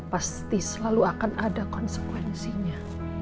pasti selalu akan ada konsekuensinya